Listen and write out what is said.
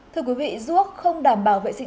thưa quý vị ruốc không đảm bảo vệ sinh